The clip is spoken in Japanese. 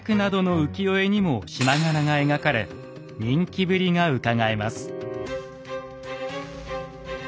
浮世絵にも縞柄が描かれ人気ぶりがうかがえます。